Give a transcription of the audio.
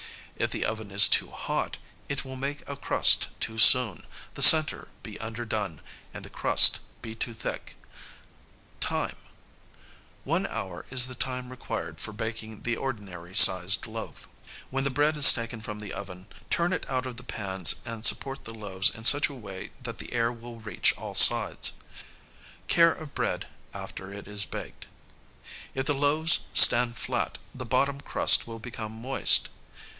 If the oven is too hot it will make a crust too soon, the centre be underdone, and the crust be too thick. One hour is the time required for baking the ordinary sized loaf. [Sidenote: Care of bread after it is baked.] When the bread is taken from the oven turn it out of the pans and support the loaves in such a way that the air will reach all sides. If the loaves stand flat the bottom crust will become moist.